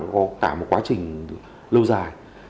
có cả một quá trình lâu dài